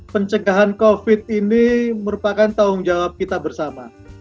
pencegahan covid ini merupakan tanggung jawab kita bersama